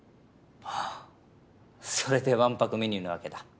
それでわんぱくメニューなわけだ。